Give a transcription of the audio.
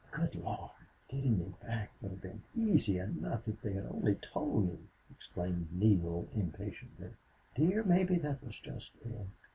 "Good Lord! Getting me back would have been easy enough if they had only told me!" exclaimed Neale, impatiently. "Dear, maybe that was just it.